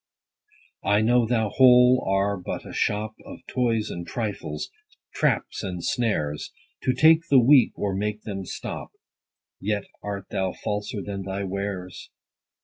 I know thou whole are but a shop Of toys and trifles, traps and snares, To take the weak, or make them stop : Yet art thou falser than thy wares.